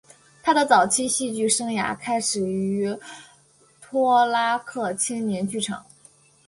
他的早期戏剧生涯开始于托拉克青年剧场。